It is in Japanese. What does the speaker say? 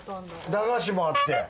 駄菓子もあって。